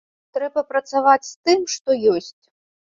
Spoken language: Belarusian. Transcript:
Трэба працаваць з тым, што ёсць.